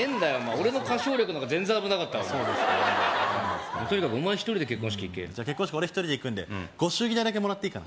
俺の歌唱力の方が全然危なかったわとにかくお前一人で結婚式行けじゃ結婚式俺一人で行くんでご祝儀代だけもらっていいかな？